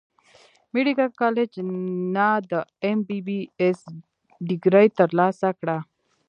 ميديکل کالج نۀ د ايم بي بي ايس ډګري تر لاسه کړه